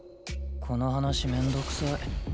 この話面倒くさい。